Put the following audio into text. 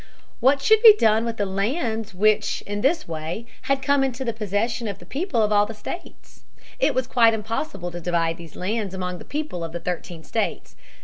What should be done with the lands which in this way had come into the possession of the people of all the states? It was quite impossible to divide these lands among the people of the thirteen states.